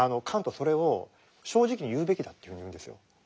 カントはそれを正直に言うべきだって言うんですよ。